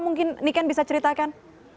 mungkin niken bisa ceritakan